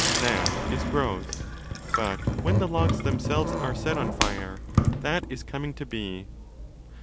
That is 'growth'. But when the logs them selves are set on fire, that is 'coming to be'.